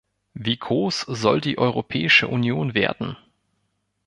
Wie groß soll die Europäische Union werden?